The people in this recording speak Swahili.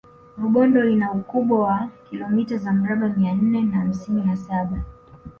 rubondo ina ukubwa wa kilomita za mraba mia nne na hamsini na saba